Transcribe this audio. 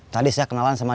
tadi saya kenalan sama dia